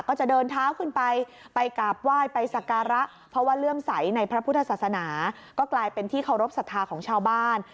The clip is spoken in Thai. ก็จะเดินเท้าขึ้นไปไปกราบไหว้ไปสการะเพราะว่าเลื่อมใสในพระพุทธศาสนาก็กลายเป็นที่เคารพสัทธาของชาวบ้าน